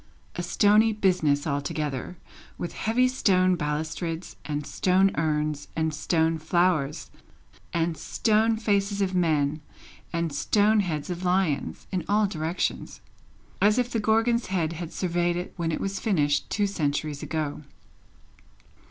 A stony business altogether, with heavy stone balustrades, and stone urns, and stone flowers, and stone faces of men, and stone heads of lions, in all directions. As if the Gorgon's head had surveyed it, when it was finished, two centuries ago.